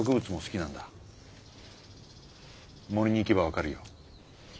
森に行けば分かるよ。